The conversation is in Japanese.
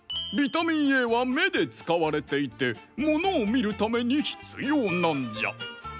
ビタミンＡはめでつかわれていてものを見るために必要なんじゃ。